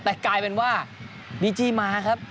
แต่กลายเป็นว่าบีจี้มาครับ